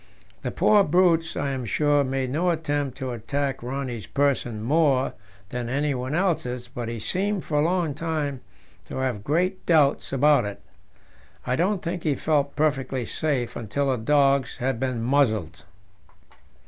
The poor brutes, I am sure, made no attempt to attack Rönne's person more than anyone else's, but he seemed for a long time to have great doubts about it. I don't think he felt perfectly safe until the dogs had been muzzled.